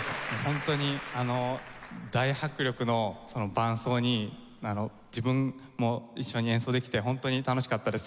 ホントに大迫力の伴奏に自分も一緒に演奏できてホントに楽しかったです。